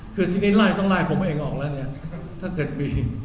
คือทีนี้ต้องรายผมเองออกแล้วเนี้ย